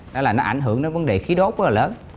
đó là nó ảnh hưởng đến vấn đề khí đốt rất là lớn